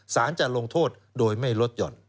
สารจะลงโทษโดยไม่ลดหย่อน